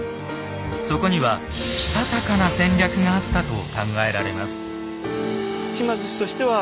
そこにはしたたかな戦略があったと考えられます。